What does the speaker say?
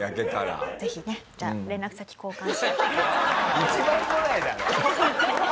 ぜひねじゃあ連絡先交換し合ってください。